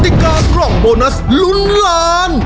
ติกากล่องโบนัสลุ้นล้าน